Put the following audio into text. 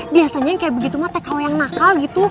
biasanya yang kayak begitu mah teh kalau yang nakal gitu